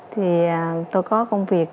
thì tôi có công việc